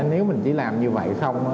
nếu mình chỉ làm như vậy không